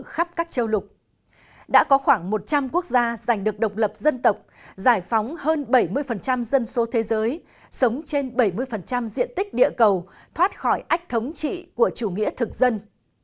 khoảng một trăm linh quốc gia giành được độc lập dân tộc giải phóng hơn bảy mươi dân số thế giới sống trên bảy mươi diện tích địa cầu thoát khỏi ách thống trị của chủ nghĩa thực dân